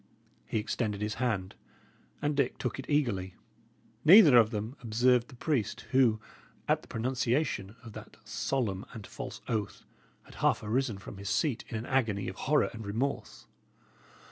He extended his hand, and Dick took it eagerly. Neither of them observed the priest, who, at the pronunciation of that solemn and false oath, had half arisen from his seat in an agony of horror and remorse.